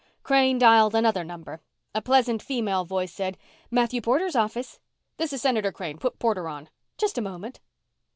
Crane dialed another number. A pleasant female voice said, "Matthew Porter's office." "This is Senator Crane. Put Porter on." "Just a moment."